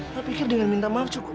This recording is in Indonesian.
saya pikir dengan minta maaf cukup